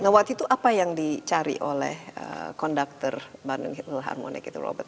nah waktu itu apa yang dicari oleh konduktor bandung hilharmonic itu robert